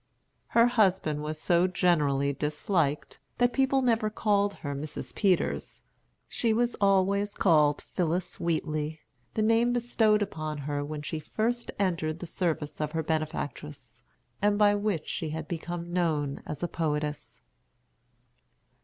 Her husband was so generally disliked, that people never called her Mrs. Peters. She was always called Phillis Wheatley, the name bestowed upon her when she first entered the service of her benefactress, and by which she had become known as a poetess.